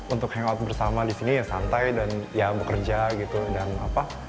untuk hangout bersama di sini ya santai dan ya bekerja gitu dan apa